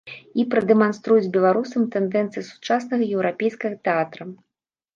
І прадэманструюць беларусам тэндэнцыі сучаснага еўрапейскага тэатра.